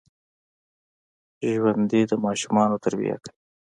ژوندي د ماشومانو تربیه کوي